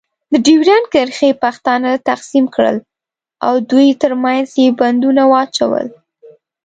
د ډیورنډ کرښې پښتانه تقسیم کړل. او دوی ترمنځ یې بندونه واچول.